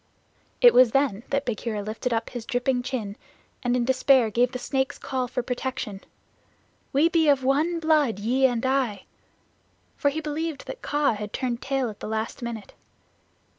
It was then that Bagheera lifted up his dripping chin, and in despair gave the Snake's Call for protection "We be of one blood, ye and I" for he believed that Kaa had turned tail at the last minute.